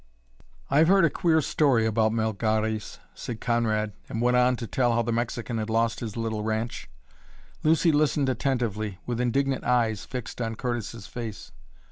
"I've heard a queer story about Melgares," said Conrad, and went on to tell how the Mexican had lost his little ranch. Lucy listened attentively, with indignant eyes fixed on Curtis's face.